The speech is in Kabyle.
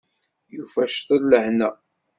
Yufa ciṭ n lehna.